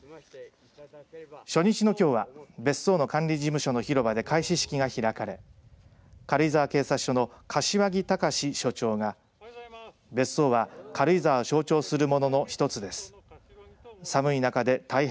初日のきょうは別荘の管理事務所の広場で開始式が開かれ軽井沢警察署の柏木隆署長が別荘は軽井沢を象徴するものの一つです。